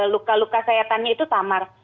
luka luka sayatannya itu samar